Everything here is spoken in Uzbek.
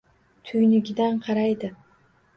Tuynugidan qaraydi.